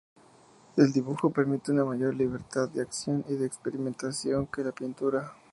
El dibujo permite una mayor libertad de acción y de experimentación que la pintura.